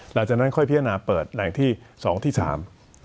หลังจากนั้นค่อยพิจารณาเปิดแหล่งที่สองที่สาม